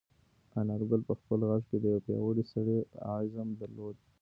انارګل په خپل غږ کې د یو پیاوړي سړي عزم درلود.